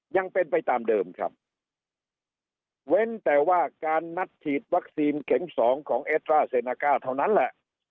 ยังเป็นไปตามเดิมครับเว้นแต่ว่าการนัดฉีดวัคซีนเข็มสองของเอสตราเซนาก้าเท่านั้นแหละ